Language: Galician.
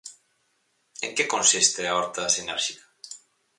En que consiste a horta sinérxica?